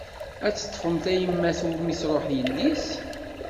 Ad teṭfem tayemmat umi truḥ yelli-s?